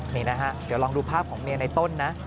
นี่นะฮะเดี๋ยวลองดูภาพของเมียในต้นนะ